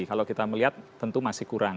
kalau kita melihat tentu masih kurang